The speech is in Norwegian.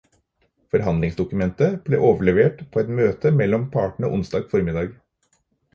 Forhandlingsdokumentet ble overlevert på et møte mellom partene onsdag formiddag.